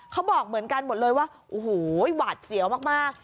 เขาบอกเหมือนกันหมดเลยว่าโอ้โหหวาดเสียวมาก